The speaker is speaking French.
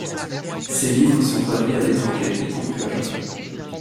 Ses livres sont traduits à l'étranger y compris au Japon.